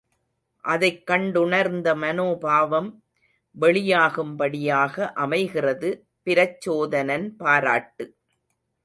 அதைக் கண்டுணர்ந்த மனோபாவம் வெளியாகும்படியாக அமைகிறது பிரச்சோதனன் பாராட்டு.